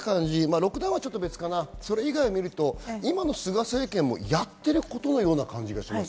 ロックダウンは別かな、それ以外を見ると、今の菅政権もやっていることのような感じがします。